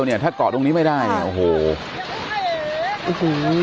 แล้วน้ำซัดมาอีกละรอกนึงนะฮะจนในจุดหลังคาที่เขาไปเกาะอยู่เนี่ย